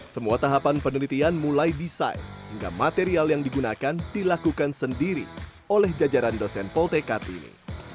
semua tahapan penelitian mulai desain hingga material yang digunakan dilakukan sendiri oleh jajaran dosen poltekad ini